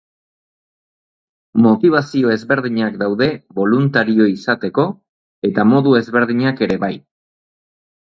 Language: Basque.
Motibazio ezberdinak daude boluntario izateko eta modu ezberdinak ere bai.